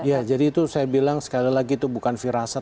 ya jadi itu saya bilang sekali lagi itu bukan firasat